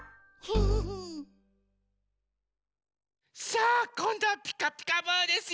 さあこんどは「ピカピカブ！」ですよ。